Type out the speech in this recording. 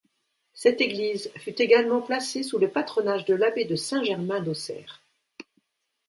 Cette église fut également placée sous le patronage de l'abbé de Saint-Germain d'Auxerre.